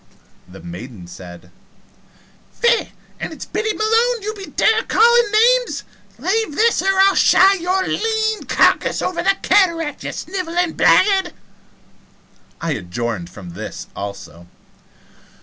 The maiden said: "Faix, an' is it Biddy Malone ye dare to be callin' names? Lave this, or I'll shy your lean carcass over the cataract, ye sniveling blaggard!" I adjourned from there also.